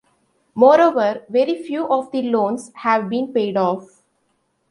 Moreover, very few of the loans have been paid off.